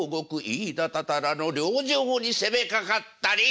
飯田多々羅の両城に攻めかかったり！